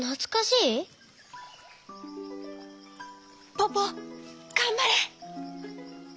ポポがんばれ！